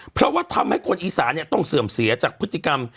เพราะว่าทำให้คนอีสานต้องเสื่อมเสียจากพฤติกรรม